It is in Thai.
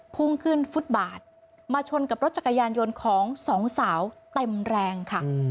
พุ่งขึ้นฟุตบาทมาชนกับรถจักรยานยนต์ของสองสาวเต็มแรงค่ะ